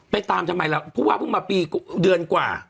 ตามทำไมล่ะผู้ว่าเพิ่งมาปีเดือนกว่า